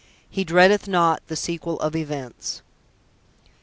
P: He dreadeth not the sequel (of events).